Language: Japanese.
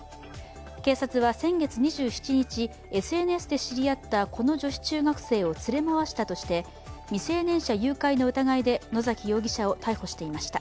警察は、先月２７日、ＳＮＳで知り合ったこの女子中学生を連れ回したとして未成年者誘拐の疑いで野崎容疑者を逮捕していました。